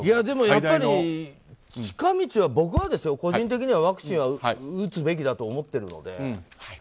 でもやっぱり近道は僕は個人的にはワクチンは打つべきだと思ってるので。